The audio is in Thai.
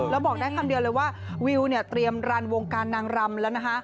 แล้วบอกได้คำเดียวเลยว่าวิวเนี่ยเตรียมรันวงการนางรำแล้วนะคะ